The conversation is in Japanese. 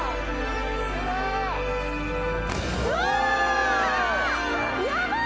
うわ！